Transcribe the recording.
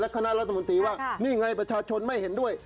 คณะรัฐมนตรีว่านี่ไงประชาชนไม่เห็นด้วย